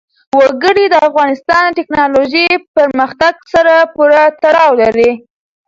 وګړي د افغانستان د تکنالوژۍ پرمختګ سره پوره تړاو لري.